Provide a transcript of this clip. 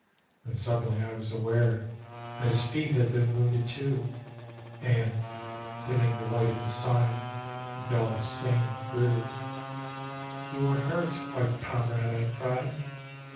llien suddenly I was aware That his feet had been wounded too; And, dimming the white of his side, A dull stain grew, " You are hurt, White Comrade I " I cried.